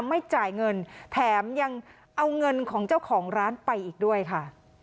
ไม่จ่ายเงินแถมยังเอาเงินของเจ้าของร้านไปอีกด้วยค่ะ